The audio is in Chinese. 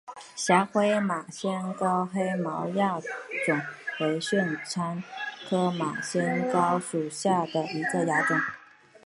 狭盔马先蒿黑毛亚种为玄参科马先蒿属下的一个亚种。